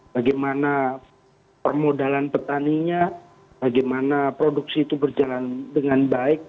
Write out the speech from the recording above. bagaimana permodalan petaninya bagaimana produksi itu berjalan dengan baik